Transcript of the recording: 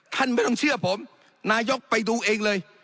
ท่านไม่ต้องเชื่อผมนายกไปดูเองเลย